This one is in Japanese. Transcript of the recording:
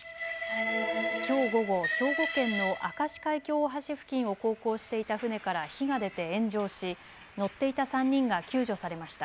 きょう午後、兵庫県の明石海峡大橋付近を航行していた船から火が出て炎上し乗っていた３人が救助されました。